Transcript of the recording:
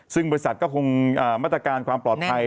ซึ่งบริษัทก็คงมาตรการความปลอดภัย